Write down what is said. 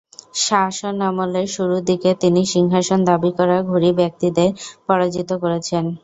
শাসনামলের শুরুর দিকে তিনি সিংহাসন দাবি করা ঘুরি ব্যক্তিদের পরাজিত করেছেন।